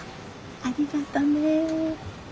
ありがとね。